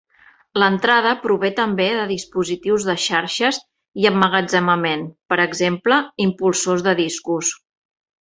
L'entrada prové també de dispositius de xarxes i emmagatzemament, per exemple, impulsors de discos.